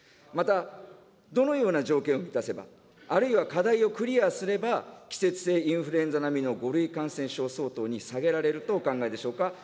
また、どのような条件を満たせば、あるいは課題をクリアすれば、季節性インフルエンザ並みの５類感染症相当に下げられるとお考えでしょうか。